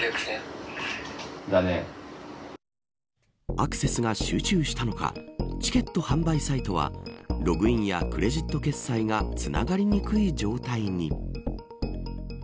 アクセスが集中したのかチケット販売サイトはログインやクレジット決済がつながりにくい状態に。